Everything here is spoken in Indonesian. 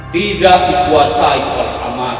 tidak dikuasai oleh amat